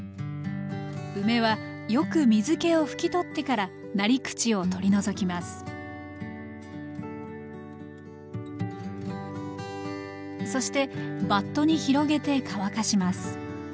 梅はよく水けを拭き取ってからなり口を取り除きますそしてバットに広げて乾かします